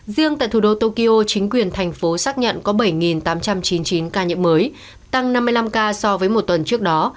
riêng tại thủ đô tokyo chính quyền thành phố xác nhận có bảy tám trăm chín mươi chín ca nhiễm mới tăng năm mươi năm ca so với một tuần trước đó